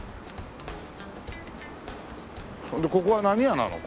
それでここは何屋なの？